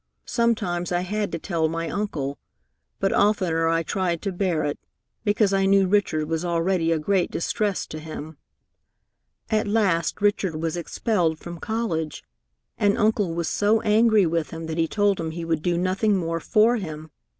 Sometimes I had to tell my uncle, but oftener I tried to bear it, because I knew Richard was already a great distress to him. "At last Richard was expelled from college, and Uncle was so angry with him that he told him he would do nothing more for him.